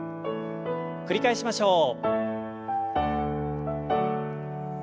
繰り返しましょう。